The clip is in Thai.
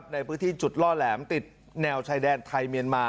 ในพื้นที่จุดล่อแหลมติดแนวชายแดนไทยเมียนมา